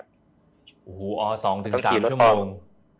อ๋อ๒ถึง๓ชั่วโมง